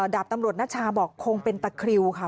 ดาบตำรวจนัชชาบอกคงเป็นตะคริวค่ะ